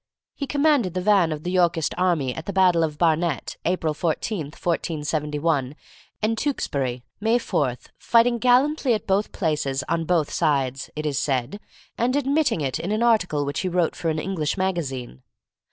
He commanded the van of the Yorkist army at the battle of Barnet, April 14, 1471, and Tewkesbury, May 4, fighting gallantly at both places on both sides, it is said, and admitting it in an article which he wrote for an English magazine.